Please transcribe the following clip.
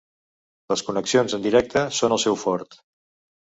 Les connexions en directe són el seu fort.